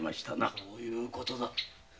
そういうことだ。